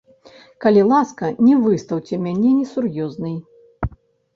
Калі ласка, не выстаўце мяне несур'ёзнай.